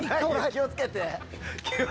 気をつけて。